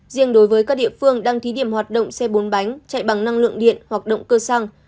riêng đối với các địa phương đang thí điểm hoạt động xe bốn bánh chạy bằng năng lượng điện hoặc động cơ xăng